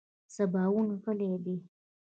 سباوون غلی دی .